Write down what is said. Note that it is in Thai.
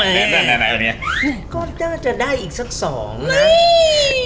นี่ก็ได้จะได้อีกสัก๒นะ